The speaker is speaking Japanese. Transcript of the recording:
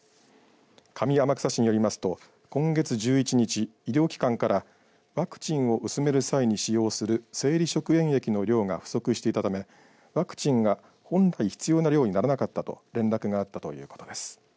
上天草市によりますと今月１１日医療機関からワクチンを薄める際に使用する生理食塩液の量が不足していたためワクチンが本来必要な量にならなかったと連絡があったということです。